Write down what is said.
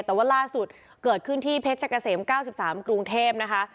แต่ว่าล่าสุดเกิดขึ้นที่เพชรเกษม๙๓กรุงเทพนะคะ